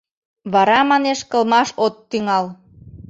Вара, манеш, кылмаш от тӱҥал.